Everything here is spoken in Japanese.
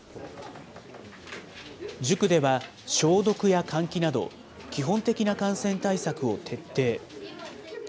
塾では消毒や換気など、基本的な感染対策を徹底。